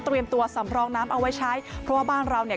ตัวสำรองน้ำเอาไว้ใช้เพราะว่าบ้านเราเนี่ย